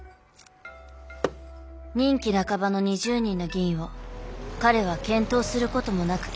任期半ばの２０人の議員を彼は検討することもなく切り捨てた。